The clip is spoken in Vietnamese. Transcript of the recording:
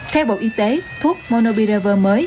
theo bộ y tế thuốc monubiravia mới